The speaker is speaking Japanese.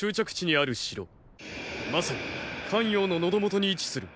まさに咸陽の喉元に位置する“”